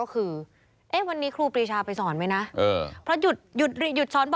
คุณเอาส่วนไหนคิด